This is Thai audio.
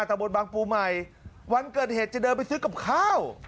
ตะบนบางปูใหม่วันเกิดเหตุจะเดินไปซื้อกับข้าว